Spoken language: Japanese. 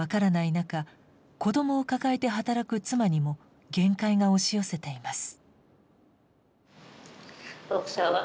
中子どもを抱えて働く妻にも限界が押し寄せています。